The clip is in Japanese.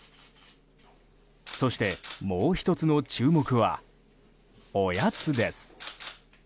そしてもう１つの注目はおやつです。